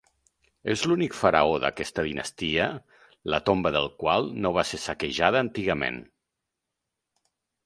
És l'únic faraó d'aquesta dinastia la tomba del qual no va ser saquejada antigament.